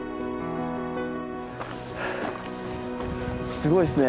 すごいですね。